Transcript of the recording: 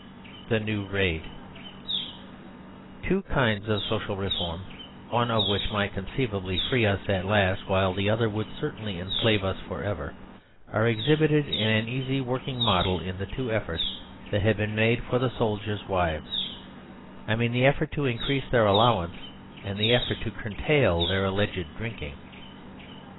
THE NEW RAID The two kinds of social reform, one of which might conceivably free us at last while the other would certainly enslave us forever, are exhibited in an easy working model in the two efforts that have been made for the soldiers' wives I mean the effort to increase their allowance and the effort to curtail their alleged drinking.